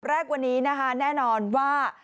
แรกวันนี้นะคะแน่นอนว่า